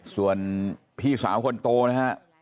ส่วนพี่สาวคนโตนะฮะ